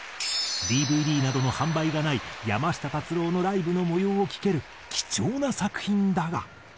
ＤＶＤなどの販売がない山下達郎のライブの模様を聴ける貴重な作品だが。